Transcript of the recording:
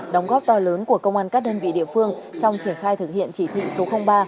đóng góp to lớn của công an các đơn vị địa phương trong triển khai thực hiện chỉ thị số ba